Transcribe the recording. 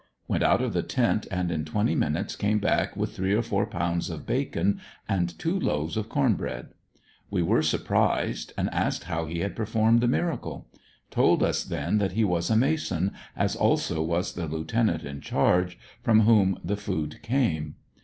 Went out of the lent and in twenty minutes came back with three or four pounds of bacon and two loaves of corn bread . We were surprised and asked how he had performed the miracle. Told us then that he was a Mason, as also was the lieutenant in charge, from whom the food came.